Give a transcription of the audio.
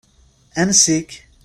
Ansi-k?